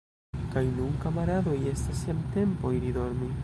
Kaj nun, kamaradoj, estas jam tempo iri dormi.